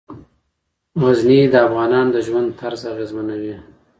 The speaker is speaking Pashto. غزني د افغانانو د ژوند طرز اغېزمنوي.